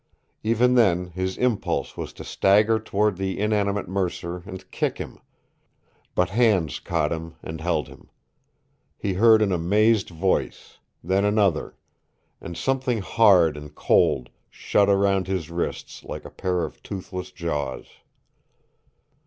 Even then his impulse was to stagger toward the inanimate Mercer and kick him, but hands caught him and held him. He heard an amazed voice, then another and something hard and cold shut round his wrists like a pair of toothless jaws.